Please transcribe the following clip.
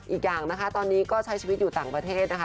อีกอย่างนะคะตอนนี้ก็ใช้ชีวิตอยู่ต่างประเทศนะคะ